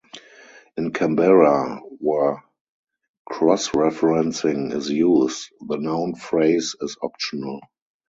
In Kambera, where cross-referencing is used, the noun phrase is optional.